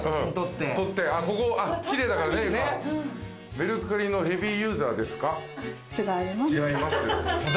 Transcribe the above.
メルカリのヘビーユーザーだ。